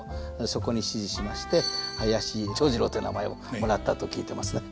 そこに師事しまして林長二郎という名前をもらったと聞いてますね。